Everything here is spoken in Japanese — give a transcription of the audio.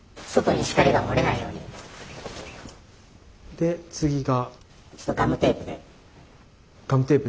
で次が？